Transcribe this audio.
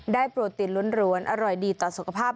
โปรตีนล้วนอร่อยดีต่อสุขภาพ